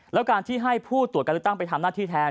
แล้วการที่ให้ผู้ตรวจการเลือกตั้งไปทำหน้าที่แทน